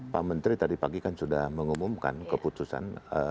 pak menteri tadi pagi kan sudah mengumumkan keputusan